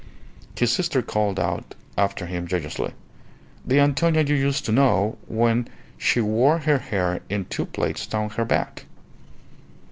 His sister called out after him joyously "The Antonia you used to know when she wore her hair in two plaits down her back."